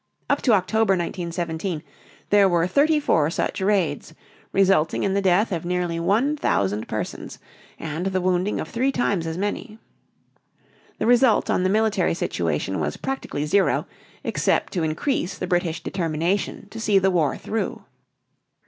Up to October, 1917, there were thirty four such raids, resulting in the death of nearly one thousand persons and the wounding of three times as many. The result on the military situation was practically zero, except to increase the British determination to see the war through.